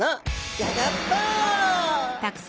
ギョギョッと。わ！